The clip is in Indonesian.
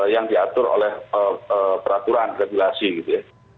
yang diatur oleh peraturan regulasi gitu ya